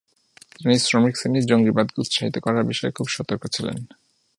তিনি শ্রমিকশ্রেণির জঙ্গিবাদকে উৎসাহিত করার বিষয়ে খুব সতর্ক ছিলেন।